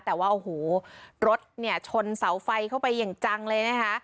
แต่ว่าโอ้โหรถเนี่ยชนเสาไฟเข้าไปอย่างจังเลยนะคะ